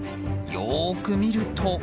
よく見ると。